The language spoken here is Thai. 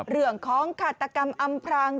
เรื่องของขาตกรรมอำพราง